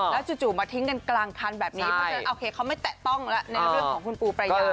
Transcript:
แล้วจู่มาทิ้งกันกลางคันแบบนี้เพราะฉะนั้นโอเคเขาไม่แตะต้องแล้ว